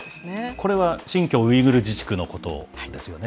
これは新疆ウイグル自治区のことですよね？